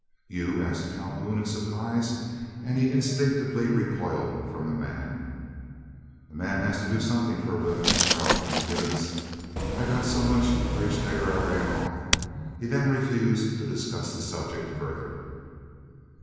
"You?" asked Calhoun, in surprise, and he instinctively recoiled from the man. "A man has to do something for a living," growled Givens; "I got so much for each nigger I ran off." He then refused to discuss the subject further.